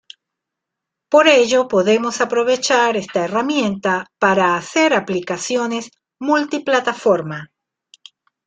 Por ello podemos aprovechar esta herramienta para hacer aplicaciones multiplataforma.